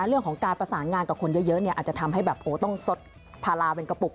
เรื่องของการประสานงานกับคนเยอะเนี่ยอาจจะทำให้แบบต้องสดพาราเป็นกระปุก